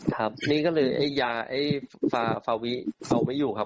ครับนี่ก็เลยไอ้ยาไอ้ฟาฟาวิเอาไม่อยู่ครับ